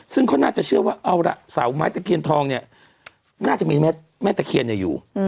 ซึ่งเขาน่าจะเชื่อว่าเอาละเสาไม้ตะเคียนทองเนี่ยน่าจะมีแม่ตะเคียนอยู่